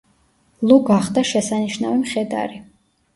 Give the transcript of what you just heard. ლუ გახდა შესანიშნავი მხედარი.